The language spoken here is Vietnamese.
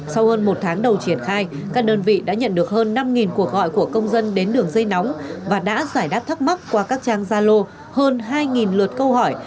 sau hơn một tháng đầu triển khai các đơn vị đã nhận được hơn năm cuộc gọi của công dân đến đường dây nóng và đã giải đáp thắc mắc qua các trang gia lô hơn hai lượt câu hỏi